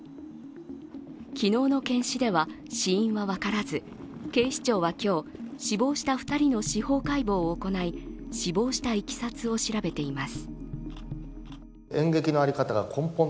昨日の検視では死因は分からず、警視庁は今日、死亡した２人の司法解剖を行い死亡したいきさつを調べています。